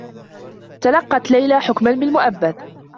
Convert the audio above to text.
تلقّت ليلى حكما بالمؤبّد.